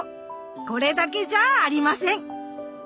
これだけじゃあありません。